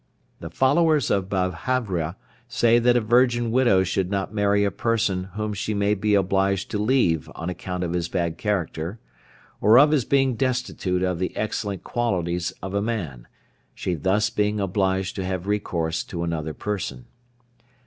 The followers of Babhravya say that a virgin widow should not marry a person whom she may be obliged to leave on account of his bad character, or of his being destitute of the excellent qualities of a man, she thus being obliged to have recourse to another person.